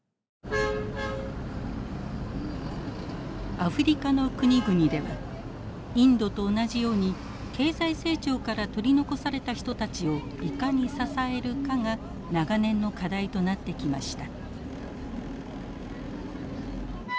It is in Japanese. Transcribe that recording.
アフリカの国々ではインドと同じように経済成長から取り残された人たちをいかに支えるかが長年の課題となってきました。